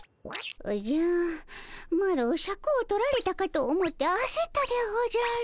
おじゃマロシャクを取られたかと思ってあせったでおじゃる。